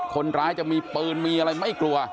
คนร้ายจะมีปืนมีอะไรไม่กลัว